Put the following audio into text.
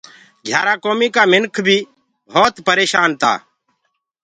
گھِيآرآ ڪوميٚ ڪآ منِک بيٚ ڀوت پريشآن تآ